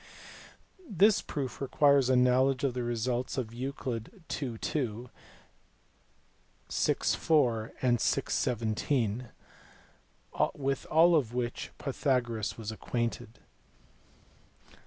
This proof requires a knowledge of the results of Euc. 11. 2, vi. 4, and vi. 17, with all of which Pythagoras was acquainted.